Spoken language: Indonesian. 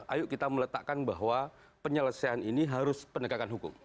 ayo kita meletakkan bahwa penyelesaian ini harus penegakan hukum